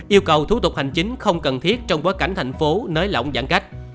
yêu cầu thủ tục hành chính không cần thiết trong bối cảnh thành phố nới lỏng giãn cách